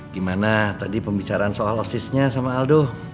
gimana tadi pembicaraan soal osisnya sama aldo